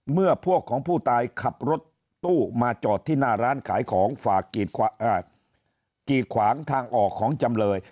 เมื่อพวกของผู้ตายขับรถตู้มาจอดที่หน้าร้านขายของฝากกีดขวางทางออกของจำเลย